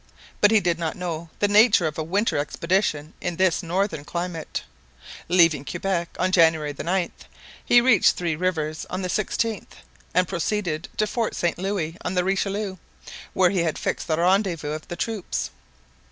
But he did not know the nature of a winter expedition in this northern climate. Leaving Quebec on January 9, he reached Three Rivers on the 16th, and proceeded to Fort Saint Louis on the Richelieu, where he had fixed the rendezvous of the troops.